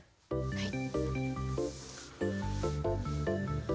はい。